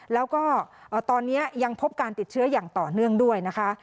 แล้วก็ตอนนี้ยังพบการติดเชื้ออย่างต่อเนื่องด้วยนะคะ